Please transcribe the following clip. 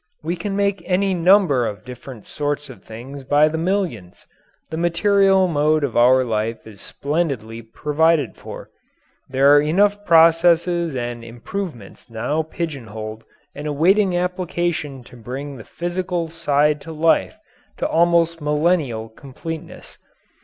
We can make any number of different sort of things by the millions. The material mode of our life is splendidly provided for. There are enough processes and improvements now pigeonholed and awaiting application to bring the physical side of life to almost millennial completeness.